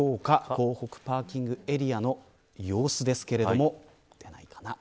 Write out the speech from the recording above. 港北パーキングエリアの様子ですけれども出ないかな。